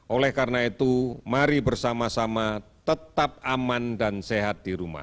oleh karena itu mari bersama sama tetap aman dan sehat di rumah